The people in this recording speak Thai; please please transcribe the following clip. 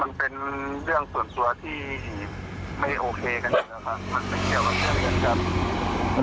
มันเป็นเกี่ยวกับเรื่องนี้เลยครับ